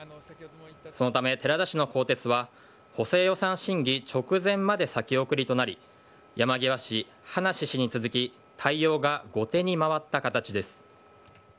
そのため、寺田氏の更迭は、補正予算審議直前まで先送りとなり、山際氏、葉梨氏に続き、対応が後手に回った形です。